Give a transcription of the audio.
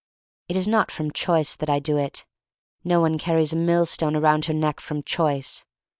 It is not from choice that I do it. No one car ries a mill stone around her neck from choice.